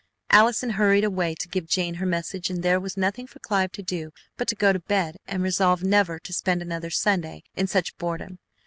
Allison hurried away to give Jane her message, and there was nothing for Clive to do but to go to bed and resolve never to spend another Sunday in such boredom.